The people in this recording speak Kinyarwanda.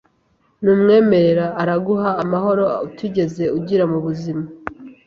numwemerera araguha amahoro utigeze ugira mu buzima